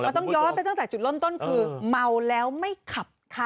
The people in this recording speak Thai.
มันต้องย้อนไปตั้งแต่จุดเริ่มต้นคือเมาแล้วไม่ขับค่ะ